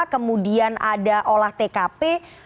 kemudian ada olah tkp